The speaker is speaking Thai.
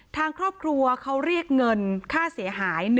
ทางครอบครัวเขาเรียกเงินค่าเสียหาย